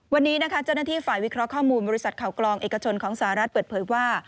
วันนี้นะคะเจ้าหน้าที่ฝ่ายวิเคราะห์ข้อมูลบริษัทข่าวกลองเอกชนของสหรัฐเปิดเผยว่า